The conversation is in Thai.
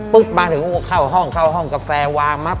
ปุ๊บมาถึงเข้าห้องกับแฟวางมับ